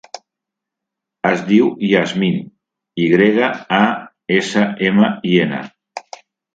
Es diu Yasmin: i grega, a, essa, ema, i, ena.